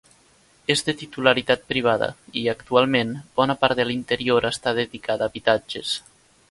És de titularitat privada i, actualment, bona part de l'interior està dedicada a habitatges.